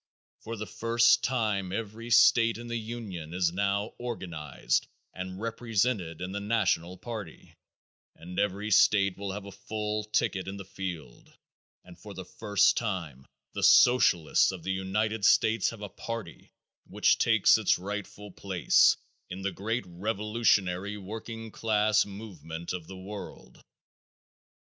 For the first time every state in the union is now organized and represented in the national party, and every state will have a full ticket in the field; and for the first time the Socialists of the United States have a party which takes its rightful place in the great revolutionary working class movement of the world.